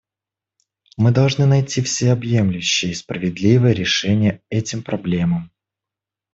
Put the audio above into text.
Мы должны найти всеобъемлющее и справедливое решение этим проблемам.